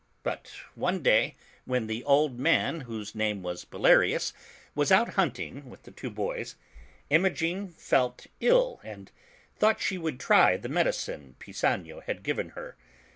But one day when the old man, whose name was Bellarius, was out hunting with the two boys, Imogen felt ill and thought she would try the medicine Pisanio had given her.